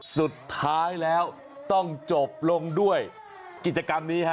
สุดท้ายแล้วต้องจบลงด้วยกิจกรรมนี้ฮะ